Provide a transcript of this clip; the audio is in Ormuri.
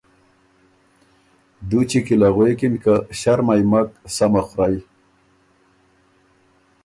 دوچی کی له غوېکِن که ”ݭرمئ مک، سمه خورئ“